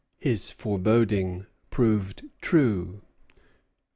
His foreboding proved true.